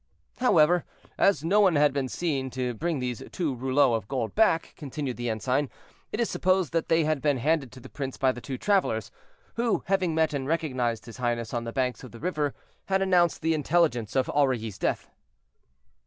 "However, as no one had been seen to bring these two rouleaux of gold back," continued the ensign, "it is supposed that they had been handed to the prince by the two travelers who, having met and recognized his highness on the banks of the river, had announced the intelligence of Aurilly's death."